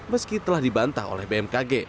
meski telah dibantah oleh bmkg